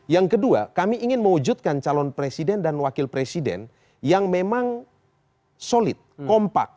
yang kedua kami ingin mewujudkan calon presiden dan wakil presiden yang memang solid kompak